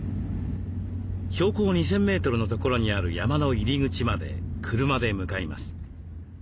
標高２，０００メートルの所にある山の入り口まで車で向かいます。